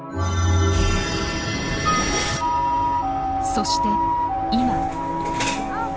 そして今。